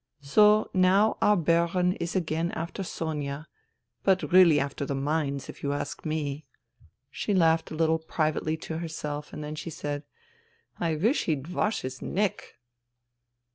" So now our Baron is again after Sonia, but really after the mines, if you ask me." She laughed a little, privately, to herself, and then said, " I wish he'd wash his neck.